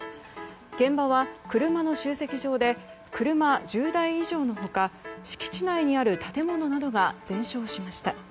現場は車の集積場で車１０台以上の他敷地内にある建物などが全焼しました。